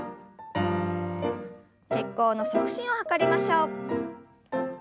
血行の促進を図りましょう。